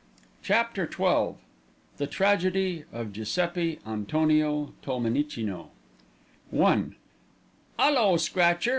'" CHAPTER XII THE TRAGEDY OF GIUSEPPI ANTONIO TOLMENICINO "'Ullo, Scratcher!"